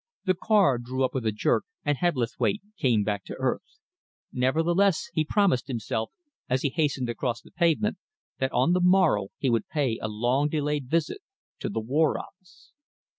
The car drew up with a jerk, and Hebblethwaite came back to earth. Nevertheless, he promised himself, as he hastened across the pavement, that on the morrow he would pay a long delayed visit to the War Office.